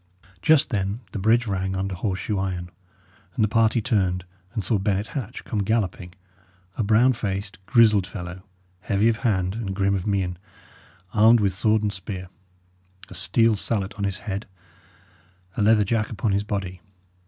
Just then the bridge rang under horse shoe iron, and the party turned and saw Bennet Hatch come galloping a brown faced, grizzled fellow, heavy of hand and grim of mien, armed with sword and spear, a steel salet on his head, a leather jack upon his body.